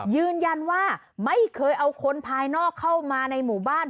ยืนยันว่าไม่เคยเอาคนภายนอกเข้ามาในหมู่บ้าน